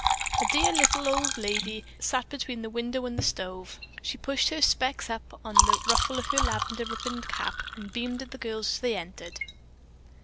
A dear little old lady sat between the window and the stove. She pushed her "specs" up on the ruffle of her lavender ribboned cap, and beamed at the girls as they entered.